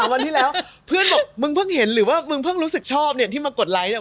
วันที่แล้วเพื่อนบอกมึงเพิ่งเห็นหรือว่ามึงเพิ่งรู้สึกชอบเนี่ยที่มากดไลค์เนี่ย